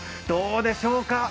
どうでしょうか？